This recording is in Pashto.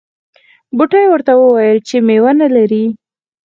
بوټي ورته وویل چې میوه نه لرې.